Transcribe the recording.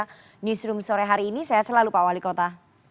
pada newsroom sore hari ini saya selalu pak wali kota